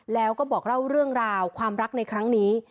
แล้วก็บอกเล่าเรื่องราวความรักในครั้งนี้